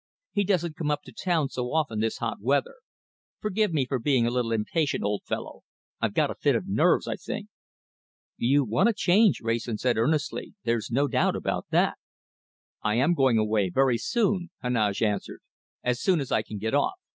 "He doesn't come up to town so often this hot weather. Forgive me for being a bit impatient, old fellow. I've got a fit of nerves, I think." "You want a change," Wrayson said earnestly. "There's no doubt about that." "I am going away very soon," Heneage answered. "As soon as I can get off.